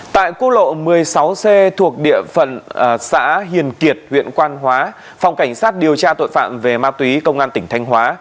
tại quốc lộ một mươi sáu c thuộc địa phận xã hiền kiệt huyện quan hóa phòng cảnh sát điều tra tội phạm về ma túy công an tỉnh thanh hóa